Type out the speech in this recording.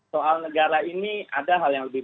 soal negara ini ada hal yang lebih